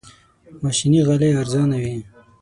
ماشيني غالۍ ارزانه وي.